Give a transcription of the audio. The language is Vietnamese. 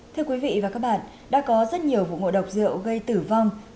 thưa quý vị và các bạn đã có rất nhiều vụ ngộ độc rượu gây tử vong